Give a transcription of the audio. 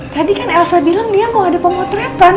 tadi kan elsa bilang dia mau ada pemotretan